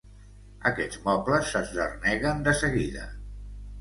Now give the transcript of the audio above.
Aquests mobles s'esderneguen de seguida.